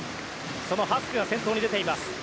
そのハスクが先頭に出ています。